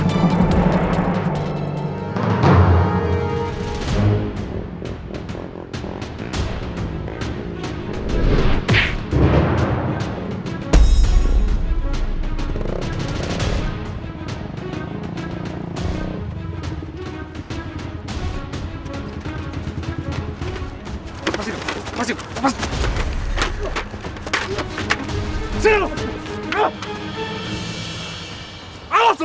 gue datang ke situ